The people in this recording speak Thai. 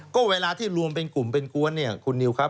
ก็เวลาที่รวมเป็นกลุ่มเป็นกวนเนี่ยคุณนิวครับ